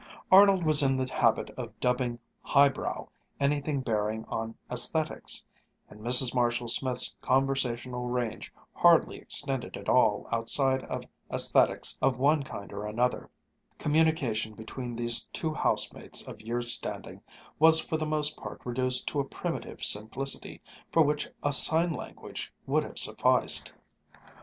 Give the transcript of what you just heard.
Arnold was in the habit of dubbing "high brow" anything bearing on aesthetics; and Mrs. Marshall Smith's conversational range hardly extending at all outside of aesthetics of one kind or another, communication between these two house mates of years' standing was for the most part reduced to a primitive simplicity for which a sign language would have sufficed.